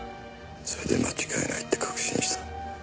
それで間違いないって確信した。